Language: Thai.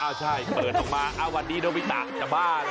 ใช่เปิดออกมาวันนี้โดวิตะจะบ้าเหรอ